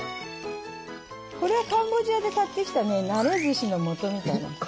これはカンボジアで買ってきたねなれずしのもとみたいな。